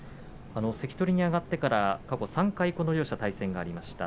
関取に上がってから３回両者の対戦がありました。